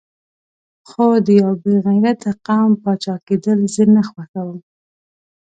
خو د یو بې غیرته قوم پاچا کېدل زه نه خوښوم.